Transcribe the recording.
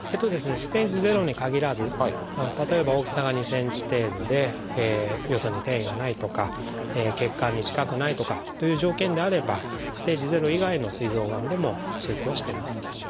ステージ０に限らず例えば大きさが２ｃｍ程度でよそに転移がないとか血管に近くないとかという条件であればステージ０以外のすい臓がんでも手術をしてます。